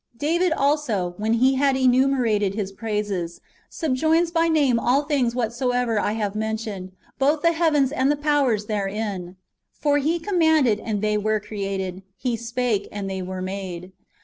"^ David also, when he had enumerated [His] praises, subjoins by name all things whatsoever I have mentioned, both the heavens and all the powers therein :" For He commanded, and they were created ; He spake, and they were made."